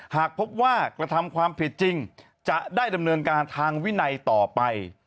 หากพบว่ากระทำความผิดจริงจะได้ดำเนินการทางวินัยต่อไป